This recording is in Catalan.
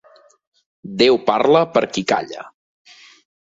Déu parla per qui calla.